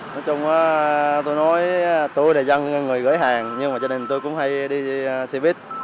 nói chung tôi nói tôi là dân người gửi hàng nhưng mà cho nên tôi cũng hay đi xe buýt